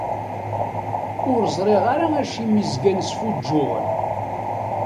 Ur ẓriɣ ara acimi zgan sfuǧǧuɣen?